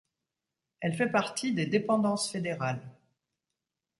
Elle fait partie des Dépendances fédérales.